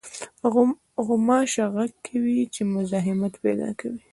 غوماشه غږ کوي چې مزاحمت پېدا کوي.